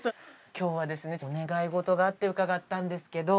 今日はですねお願い事があって伺ったんですけど。